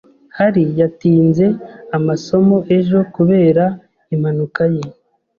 Harry yatinze amasomo ejo kubera impanuka ye.